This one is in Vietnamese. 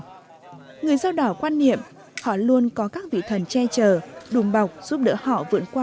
tộc mình người dao đỏ quan niệm họ luôn có các vị thần che chờ đùm bọc giúp đỡ họ vượn qua